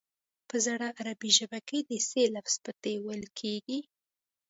په زړه عربي ژبه کې د ث لفظ په ت ویل کیږي